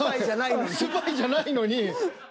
スパイじゃないのに。